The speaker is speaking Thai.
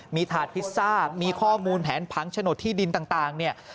มีถาดพิซซ่ามีข้อมูลแผนผังโฉนดที่ดินต่างเนี่ย